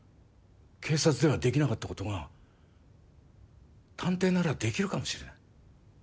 警察ではできなかったことが探偵ならできるかもしれない。